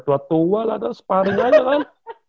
jatuh jatuh lah separing aja kan